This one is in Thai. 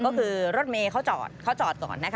ก็คือรถเมฆเขาจอดก่อนนะคะ